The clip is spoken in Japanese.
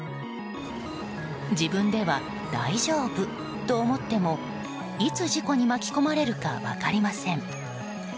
自分では大丈夫と思ってもいつ事故に巻き込まれるか分かりません。